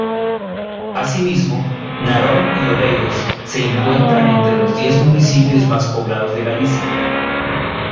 Asimismo, Narón y Oleiros se encuentran entre los diez municipios más poblados de Galicia.